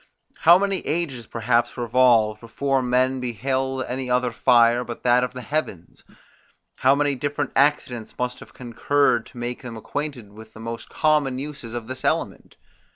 How many ages perhaps revolved, before men beheld any other fire but that of the heavens? How many different accidents must have concurred to make them acquainted with the most common uses of this element?